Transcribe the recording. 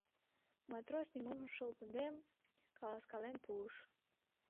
Матрос нимом шылтыде каласкален пуыш.